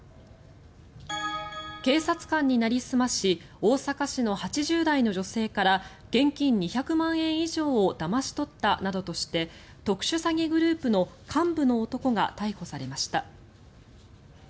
警察官になりすまし大阪市の８０代の女性から現金２００万円以上をだまし取ったなどとして特殊詐欺グループの幹部の男が逮捕されました。